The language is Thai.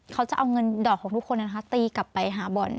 เขาจะเอาเงินดอกของทุกคนตีกลับไปหาบ่อน